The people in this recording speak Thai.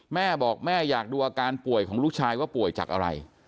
แม่บอกแม่อยากดูอาการป่วยของลูกชายว่าป่วยจากอะไร